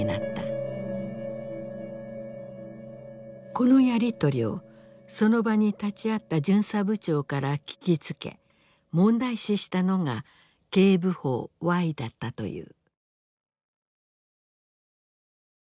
このやり取りをその場に立ち会った巡査部長から聞きつけ問題視したのが警部補Ｙだったという。